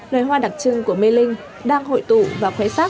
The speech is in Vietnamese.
nơi hoa đặc trưng của mê linh đang hội tụ và khóe sắc